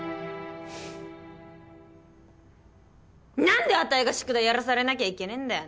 なんであたいが宿題やらされなきゃいけねえんだよ